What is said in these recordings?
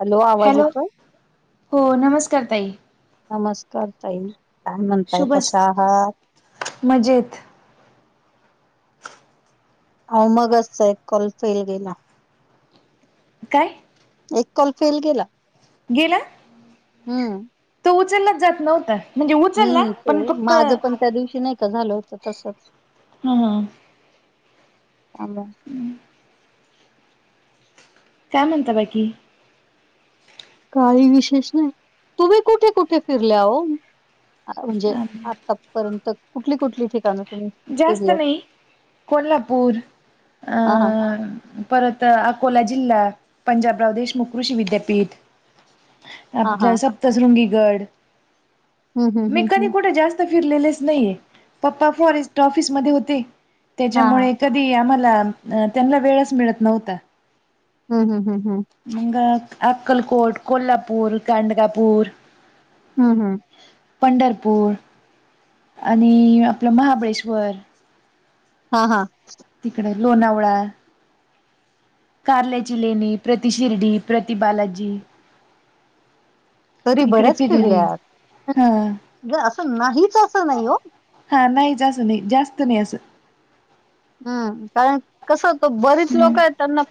Hello आवाज येतोय हो नमस्कार ताई नमस्कार ताई. काय म्हणताय शुभ कशा सकाळ. आहात मजेत आओ मगाचा एक कॉल फेल गेला. काय एक कॉल फेल गेला. गेला हम्म तो उचललाच जात नव्हता. म्हणजे उचलां पण फक्त. त्यां दिवशी नाय त झालं होत तसंच. हा! कांदा! काय म्हणता बाकी? काही विशेष नाही, तुम्ही कुठे कुठे फिरल्याहो. आ म्हणजे आतापर्यंत कुठली, कुठली ठिकाण. जास्त नही कोल्हापूर अ. हा हा परत अकोला जिल्हा, पंजाबराव देशमुख कृषी विद्यापीठ. हा हा आपलं सप्तशृंगीगड, हम्म हम्म मी हम्म कधी हम्म कुठे जा स्त फिरलेलेच नाही पप्पा फॉरेस्ट ऑफिस मधे होते हा हा त्याच्यामुळे कधी आम्हाला, त्यांना वेळच मिळत नव्हता. हूं हूं हूं हूं! मंग अक्कलकोट, कोल्हापूर, गांडगापूर हूं हूं! पंढरपूर आणि आपलं महाबळेश्वर. हा हा! तिकड लोणावळा. कार्ल्याची लेणी, प्रति शिर्डी, प्रति बालाजी. तरी इकडे बऱ्याच फिरली फिरल्या आहात, हा जे असं नाहीच असं नाही हो. हा नाही च असं नहीं, जास्त नही असं. हं कारण कस होत बरीच हम्म लोक हेत. त्यांना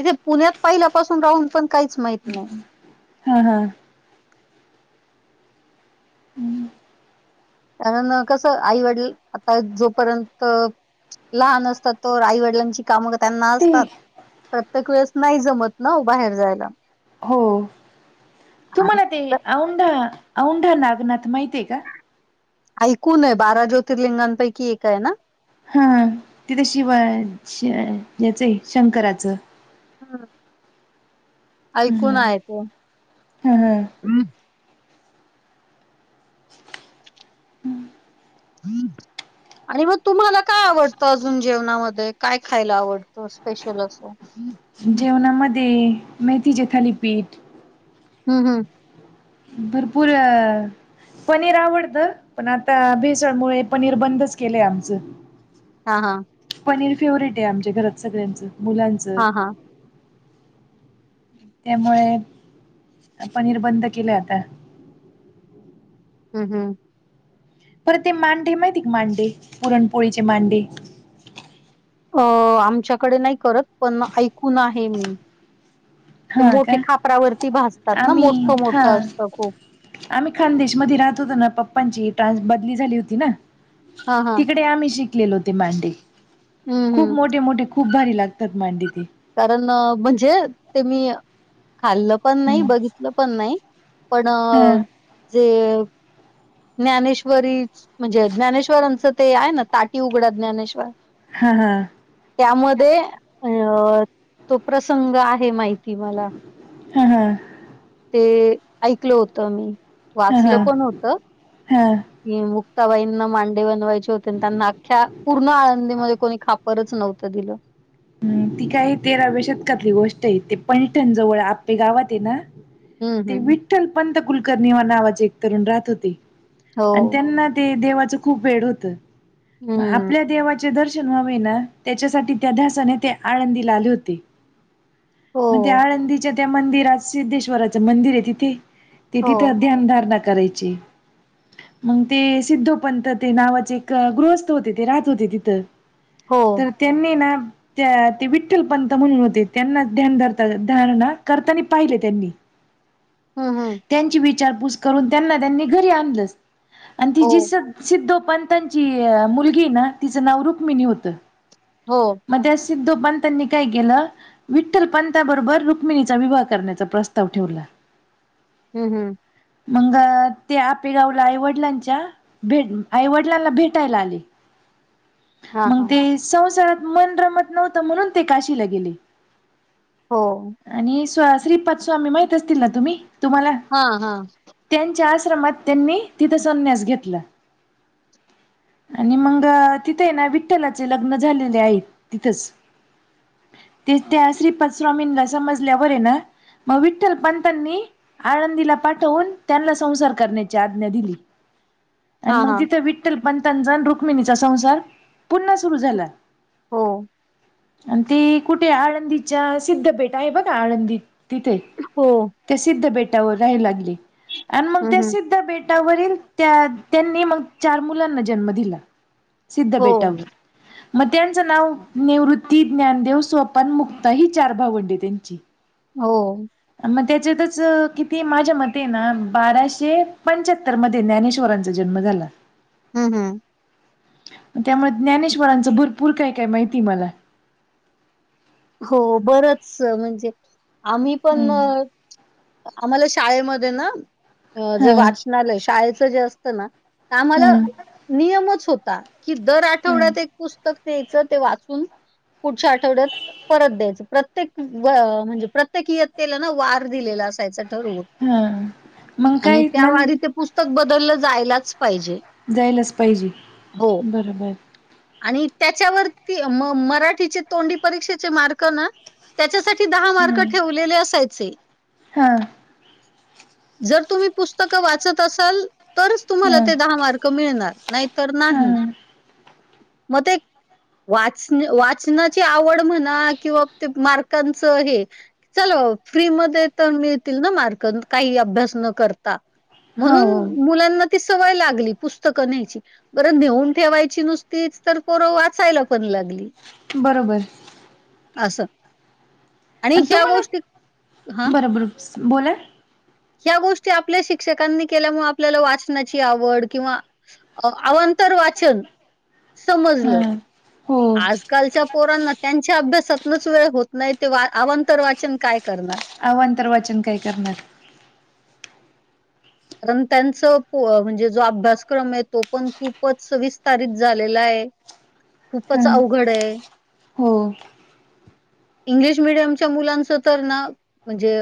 इथे पुण्यात पहिल्यापासून राहून पण काहीच माहित नाही हा हा! हूं! कारण कसं, आईवडील आता जोपर्यंत. लहान असतात तोवर आईवडिलांची कामं कां त्यांना ते असतात, प्रत्येक वेळेस नाही जमत ना बाहेर जायला. हो आणि तुम्हाला ते औंढा, औंढा नागनाथ माहितीय का? ऐकूूनये बारा ज्योतिर्लिंगांपैकी एक आहे ना? हा तिथं शिवा-शी याचं आहे शंकराचं. हा! हम्म ऐकून हम्म आहे तो. हा हा आणि म तुम्हाला काय आवडतं अजून जेवणामध्ये काय खायला आवड तो स्पेशल असतो. जेवणामध्ये मेथीचे थालीपीठ. हूं हूं! भरपूरअ. पनीर आवडत, पण आता भेसळमुळे पनीर बंदच केलंय आमचं. हा हा! पनीर फेवरेट आहे आमच्या घरात, सगळ्यांचं मुलांच. हा हा! त्यामुळे पनीर बंद केलं आता. हूं... हूं.. पर ते मांडे माहिती का, मांडे, पुरणपोळीचे मांडे? अ आमच्याकडे नाही करत पण ऐकून आहे मी. ते हा मोठे का खापरावरती भाजतात ना, आम्ही हा मोठं-मोठं असतं खूप. आम्ही खानदेश मध्ये राहत होतो ना, पप्पांची ट्रान बदली झाली होती ना. हां, हां. तिकडे आम्ही शिकलेलो ते मांडे हं, खूप हं. मोठे- मोठे. खूप भारी लागतात मांडे ते. कारण म्हणजे ते मी खाल्लं पण नाही, हम्म बघितलं पण नाही. पण हा जे ज्ञानेश्वरी म्हणजे ज्ञानेश्वरांचं ते आहे ना ताटी उघडा ज्ञानेश्वरा. हा हा त्यामध्ये अं..... तो प्रसंग आहे माहिती मला. ह हा ते ऐकलं होतं मी, हा हा वाचलं पण होतं. हा की मुक्ताबाईंना मांडे बनवायचे होते आणि त्यांना अख्ख्या पूर्ण आळंदीमध्ये कोणी खापरच नव्हतं दिलं. हुं.. ती काय तेराव्या शतकातली गोष्ट आहे ते पैठण जवळ आप्पे गावात आहे ना, हम्म ते हम्म विठ्ठल पंत कुलकर्णी नावाचे एक तरुण राहत होते हो आणि त्यांना ते देवाच खूप वेड होतं हम्म आपल्या देवा चे दर्शन व्हावे ना त्याच्यासाठी त्या ध्यासाने ते आळंदीला आले होते. मण त्या हो आळंदीच्या त्या मंदिरात सिद्धेश्वराचं मंदिर आहे तिथे, ते हो तिथं ध्यानधारणा करायचे. [inaudible] मग ते सिद्ध पंत ते नावाचे एक गृहस्थ होते ते राहत होते तिथं. हो. तर तेनी ना त्या ते विठ्ठल पंत म्हणून होते त्यांना ध्यान धर धारणा करताना पाहिले त्यांनी. हं.. हं.. त्यांची विचारपूस करून त्यांना त्यांनी घरी आणलंच आणि ती हो जी सग सिद्धो पंतांची मुलगीये ना तिचं नाव रुक्मिणी होतं. हो. मग त्या सिद्धोपंतानी काय केेलं, विठ्ठल पंथाबरोबर रुक्मिणीचा विवाह करण्याचा प्रस्ताव ठेवला. हूं.. हूं.. मंग ते आपेगावला आई-वडिलांच्या, भेट आई-वडिलांना भेटायला आली. [inaudible] मग ते संसारात मन रमत नव्हतं, म्हणून ते काशीला गेले. हो आणि स् श्रीपाद स्वामी माहित असतील ना तुम्ही तुम्हांला? हा हा. त्यांच्या आश्रमात त्यांनी तिथं संन्यास घेतला. आणि मंग तिथे ना विठ्ठलाचे लग्न झाले. त्या तिथंच ते त्या श्रीपदस्वामींना समजल्यावर आहे ना, मग विठ्ठल पंतानी, आळंदीला पाठवून त्यांनला संसार करण्याची आज्ञा दिली. आणि हा हा मग तिथं विठ्ठल पंतांचा रुक्मिणीचा संसार पुन्हा सुरू झाला. हो. आणि ती कुठे आळंदीच्या सिद्ध भेट आहे बघ आळंदी तिथे. हो. त्या सिद्ध बेटावर राहे लागली आणि मग हम्म त्या हम्म सिद्ध बेट. टावर त्या त्यांनी मग चार मुलांना जन्म दिला सिद्ध हो बेटावर. मग त्यांचं नाव निवृत्ती, ज्ञानदेव, स्वपन, मुक्ता ही चार भावंडी त्यांची. हो. मग त्याच्यातच किती माझ्या मते ना बाराशे पंच्याहत्र. तर मध्ये ज्ञानेश्वरांचा जन्म झाला. हम्म हम्म. त्यामुळे ज्ञानेश्वरांचं भरपूर काय काय माहिती मला. हो बरच म्हणजे आम्ही पण. आम्हाला शाळेमध्ये ना जे हा वाच. नाही शाळेचं जे असतं ना आम्हाला. हा नियमच होता की दर आठवड्यात एक पुस्तक न्यायचं ते वाचून. पुढच्या आठवड्यात. परत द्यायचं प्रत्येक म्हणजे प्रत्येक इयत्तेला ना वार दिलेला असायचं ठरव. हा मग आणि काय न त्यावारी ते पुस्तक बदललं जायलाच पाहिजे. जायलच पाहिजे हो. बरोबर. आणि त्याच्यावरती म मराठीचे तोंडी परीक्षेचे मार्क ना त्याच्यासाठी. दहा मार्क ठेवलेले असायचे. हा जर तुम्ही पुस्तकं वाचत असाल. तरच हा तुम्हाला ते दहा मार्क मिळणार नाहीतर हा नाही. मग ते वाच वाचनाची आवड म्हणे. किंवा मार्कांच हे. चल फ्री म तर मिळतील ना मार्क काही अभ्यास न करता. हो म्हणून हो मुलांना ती सवय लागली पुस्तकं न्यायची. बरं नेऊन ठेवायची नुसतीच तर पोरं वाचायला पण लागली. बरोबर. असं. आणि ह्या तुम्हाला गोष्टी हा बरोबर बोला. ह्या गोष्टी आपल्या शिक्षकांनी केल्यामुळे आपल्याला वाचनाची आवड किंवा. अ अवांतर वाचन हा समजलं. हो आजकालच्या पोरांना. त्यांच्या अभ्यासातूनच वेळ होत नाही ते अवंतर वाचन काय करणार. अवांंतर वाचन काय करणार. कारण त्यांच म्हणजे जो अभ्यासक्रम आहे तो पण खूपच विस्तारित झालेला आहे. हा खूपच अवघड आहे. हो. इंग्लिश मिीडियमच्या मुलांचं तर ना म्हणजे.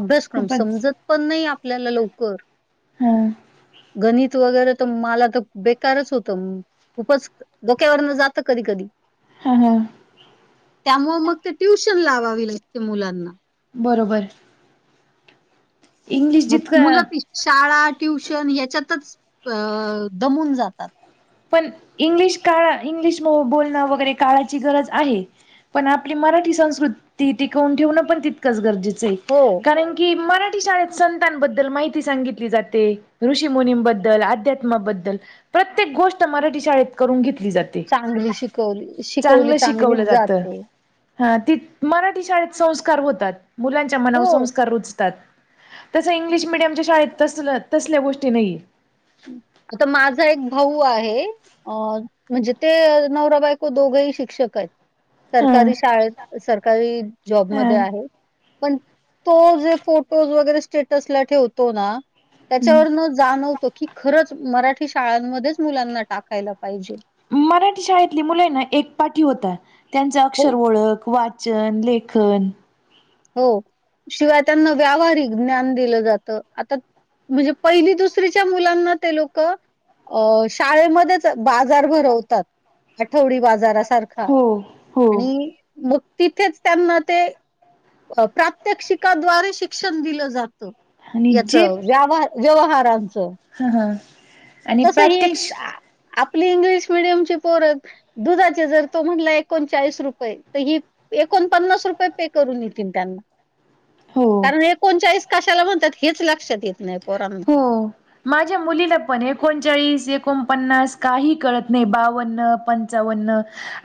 अभ्यासक्रम खूपच समजत पण नाही आपल्याला लवकर. हा गणित वगैरे तर मला तर बेकारच होत खूपच. धोक्यावरन जात कधी कधी. हा हा. त्यामुळं मग, ते ट्युशन लावावी लागते, मुलांना. बरोबर. इंग्लिश म मुलं जितकं ती शाळा, ट्युशन याच्यातच, अ दमून जातात. पण इंग्लिश काळ, इंग्लिश मं बोलणं वगैरे, काळाची गरज आहे. पण आपली मराठी संस्कृती, टिकवून ठेवणं, पण ती तकंच गरजेचं ये, हो, कारण की मराठी शाळेत संतांबद्दल माहिती सांगितली जाते, ऋषीमुनींबद्दल, अध्यात्माबद्दल प्रत्येक गोष्ट, मराठी शाळेत करून घेतली जात चांगली शिकवली, शिकवली चांगलीच, जाते. हां, तीत मराठी शाळेत संस्कार होतात, मुलांच्या मनावर हो. संस्कार रुजतात. तसं इंग्लिश मिडियमच्या शाळेत, तसल-तसल्या गोष्टी नहिये. आता, माझा एक भाऊ आहे. अ म्हणजे, ते नवरा बायको, दोघही शिक्षक य. हा सरकारी शाळेत, सरकारी हा जॉबमध्ये आहे. पण, तो जे फोटोज वगैरे, स्टेटस ला ठेवतो ना, हम्म. त्याच्यावरनच जाणवतो, की खरंच मराठी शाळांमध्येच, मुलांना टाकायला पाहिजे. मराठी शाळेतली मुलं ना, एक पाठी होतात, त्यांच हो, अक्षर ओळख, वा चन, लेखन हो, शिवाय त्यांना व्यावहारिक, ज्ञान दिलं जातं, आता म्हणजे पहिली दुसरीच्या मुलांना, ते लोकं अ शाळेमध्येच, बाजार भरवतात, आठवडी बाजारासार हो. हो. आणि मग तिथेच, त्यांना ते प्रात्यक्षिकाद्वारे, शिक्षण दिलं जातं, आणि याच व्यावहार व्यवहारांचं ह्हणं. तसं हे, आ-आपली इंग्लिश मिडियमची, पोरं दुधाचे, जर तो म्हनला एकोणचाळीस रुपये, त ही एकोण पन्नास रुपये, पे करून येतील, त्यांना. हो. कारण, एकोणचाळीस कशाला म्हणतात, हेच लक्षात येत नाही, पोरांना हो. माझ्या मुलीला पण, एकोणचाळीस, एकोणपन्नास, काही कळत नाही, बावन्न पं पंचावन्न,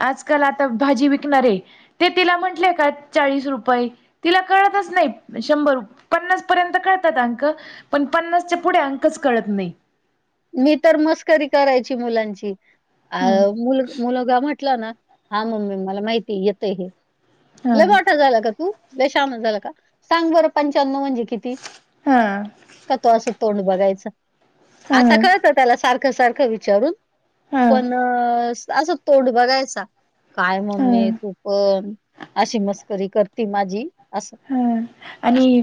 आजकाल आता, भाजी विकणार ये ते, तिला म्हंटले का, चाळीस रुपये तिला कळतच नही, शंभर रू पन्नास पर्यंत कळतात अंक, पण पन्नासच्या पुढे अं कच कळत नही. मी तर मस्करी करायची मुलांची, अ हम्म. मुल-मुलगा म्ह म्हटलं ना, हां मम्मी मला माहिती, येतय हे, हा लय मोठा झाला का तू? लय शहाना झालं का? सांग बरं, पंच्यानव, म्हणजे किती? हा का तो, असं तोंड बघायचं. आता हा. कळतं, त्याला सारखं- सारखं विचारून, हा पण अं अं असं, तोंड बघायचा, काय हा मम्मे तू पण? अशी मस्करी करती माझी, असं. हं आणि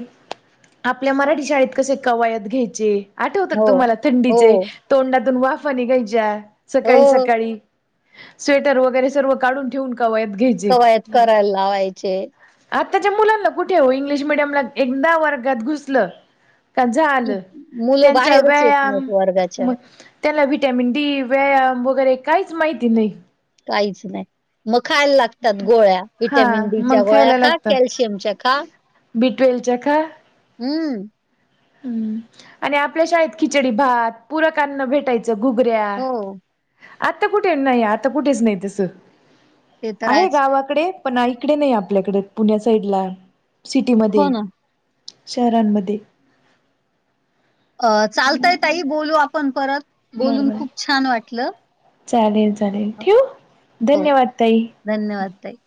आपल्या मराठी शाळेत, कसे कवायत घ्यायचे. आठवतात हो, तुम्हाला हो, थंडीचे, तोंडातून वाफा निघायच्या, हो. सकाळी-सकाळी स्वेटर वगैरे, सर्व काढून ठेवून, कवायत घ्यायचे. कवायत करायला लावायचे, आताच्या मुलांना कुठे हो इंग्लिश मिडियमला, एकदा वर्गात घुसलं का की झालं, मुलं त्यांचा बाहेरच येत व्यायाम नाहीत म वर्गाच्या, त्यांना विटामिन डी, व्यायाम वगैरे, काहीच माहिती नाही. काहीच नाही. मग खायला लागत तात गोळ्या हा विटॅमिन डी मग च्या गोळ्या खा, कॅल्शियमच्या खा बिटवेलच्या खा. हम्म. हम्म, आणि आपल्या शाळेत खिचडी भात पूरक अन्न भेटायचं घुगऱ्या. हो, आता कुठेच नाही. आता कुठेच नाही दिसत. ते तर आहे आहेच. गावात डे पण इकडे नाही आपल्याकडे पुण्या साईडला, हो सिटीमध्ये ना. शहरांमध्ये. अ चालताय ताई. बोलू आपण परत, बोलून बरोबर खूप छान वाटलं. चालेल, चालेल, ठेऊ? हो धन्यवाद ताई. धन्यवाद ताई.